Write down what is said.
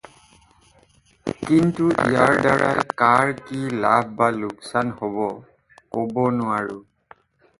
কিন্তু ইয়াৰ দ্বাৰাই কাৰ কি লাভ বা লোকচান হ’ব ক’ব নোৱাৰৰোঁ।